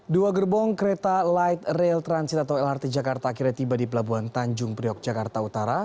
dua gerbong kereta light rail transit atau lrt jakarta akhirnya tiba di pelabuhan tanjung priok jakarta utara